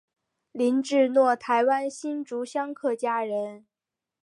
林志儒台湾新竹县客家人。